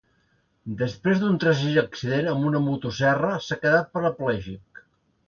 Després d'un tràgic accident amb una motoserra s'ha quedat paraplègic.